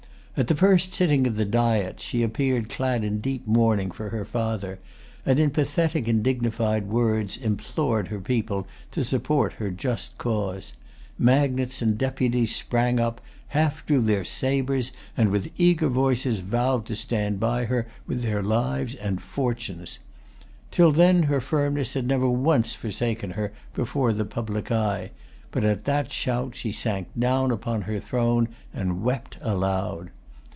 At the first sitting of the Diet she appeared clad in deep mourning for her father, and in pathetic and dignified words implored her people to support her just cause. Magnates and deputies sprang up, half drew their sabres, and with eager voices vowed to stand by her with their lives and[Pg 266] fortunes. Till then, her firmness had never once forsaken her before the public eye; but at that shout she sank down upon her throne, and wept aloud.